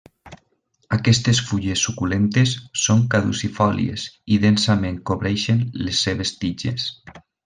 Aquestes fulles suculentes són caducifòlies i densament cobreixen les seves tiges.